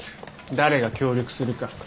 誰が協力するか。